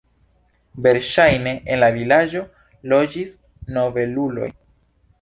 Verŝajne en la vilaĝo loĝis nobeluloj.